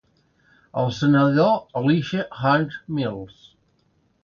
El senador Elijah Hunt Mills.